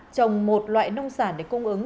trồng một loại nông sản để cung ứng